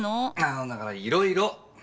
だからいろいろ！